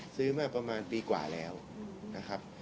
ซื้อมาประมาณปีกว่าแล้วนะครับ